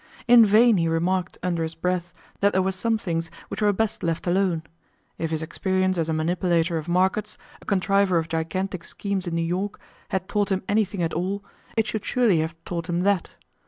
In vain he remarked, under his breath, that there were some things which were best left alone: if his experience as a manipulator of markets, a contriver of gigantic schemes in New York, had taught him anything at all, it should surely have taught him that.